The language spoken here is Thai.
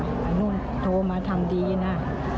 ไอ้นุ่นโทรมาทำดีนะ